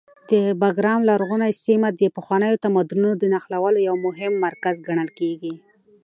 د بګرام لرغونې سیمه د پخوانیو تمدنونو د نښلولو یو مهم مرکز ګڼل کېږي.